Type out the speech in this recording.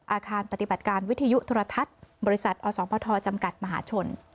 อาคารปฏิบัติการวิทยุโทรทัศน์บริษัทอสมทจำกัดมหาชน